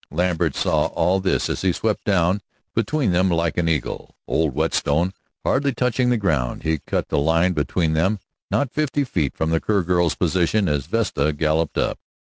Lambert saw all this as he swept down between them like an eagle, old Whetstone hardly touching the ground. He cut the line between them not fifty feet from the Kerr girl's position, as Vesta galloped up.